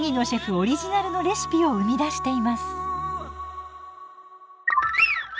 オリジナルのレシピを生み出しています。